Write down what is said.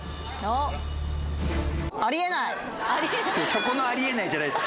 そこの「ありえない」じゃないです。